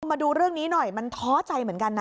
มาดูเรื่องนี้หน่อยมันท้อใจเหมือนกันนะ